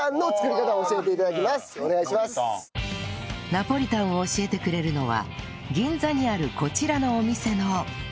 ナポリタンを教えてくれるのは銀座にあるこちらのお店の